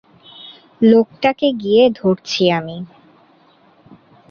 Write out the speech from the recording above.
লোকটাকে গিয়ে ধরছি আমি।